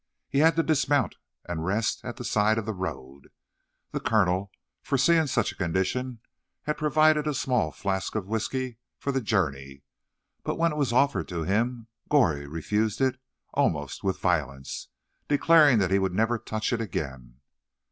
He had to dismount and rest at the side of the road. The colonel, foreseeing such a condition, had provided a small flask of whisky for the journey but when it was offered to him Goree refused it almost with violence, declaring he would never touch it again.